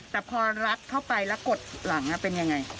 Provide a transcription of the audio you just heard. แต่พอรัดเข้าไปแล้วกดหลังเป็นยังไง